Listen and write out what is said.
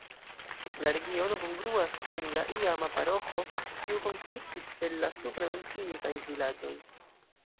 La regiono kongruas kun la iama paroĥo, kiu konsistis el la supre menciitaj vilaĝoj.